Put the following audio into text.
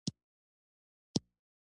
افغانستان د کابل کوربه دی.